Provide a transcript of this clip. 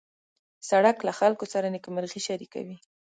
سړک له خلکو سره نېکمرغي شریکوي.